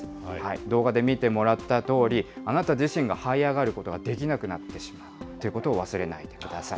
動画で見てもらったとおり、あなた自身がはい上がることができなくなってしまうということを忘れないでください。